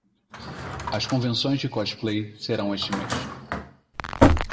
As convenções de cosplay serão este mês.